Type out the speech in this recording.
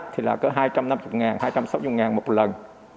thì là cỡ hai trăm năm mươi hai trăm sáu mươi một lần